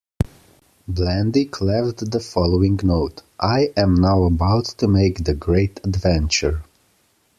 Blandick left the following note: I am now about to make the great adventure.